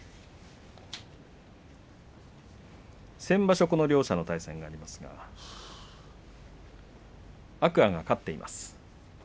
先場所この両者の対戦がありますが天空海が勝っています。